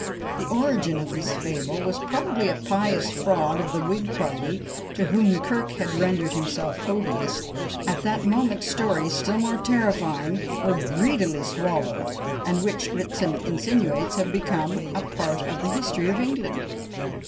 The origin of this fable was probably a pious fraud of the Whig party, to whom Kirk had rendered himself odious; at that moment stories still more terrifying were greedily swallowed, and which, Ritson insinuates, have become a part of the history of England.